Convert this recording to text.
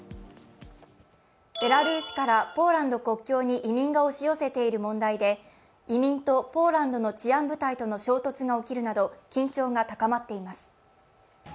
ベラルーシからポーランド国境に移民が押し寄せている問題で、移民とポーランドの治安部隊との衝突が起きるなど懸念が高まっています。